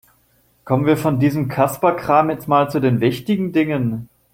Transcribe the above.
Kommen wir von diesem Kasperkram jetzt mal zu den wichtigen Dingen.